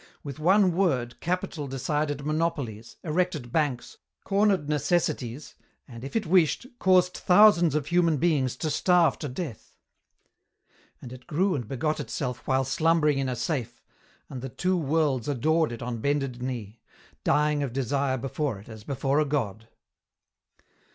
With one word capital decided monopolies, erected banks, cornered necessities, and, if it wished, caused thousands of human beings to starve to death. And it grew and begot itself while slumbering in a safe, and the Two Worlds adored it on bended knee, dying of desire before it as before a God.